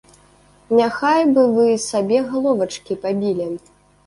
Няхай бы вы сабе галовачкі пабілі.